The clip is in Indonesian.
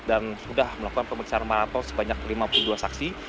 dan sudah melakukan pemeriksaan maraton sebanyak lima puluh dua saksi